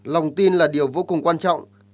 lòng tin là điều vô cùng quan trọng